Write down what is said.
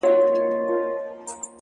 • په لاسو کي د اغیار لکه پېلوزی,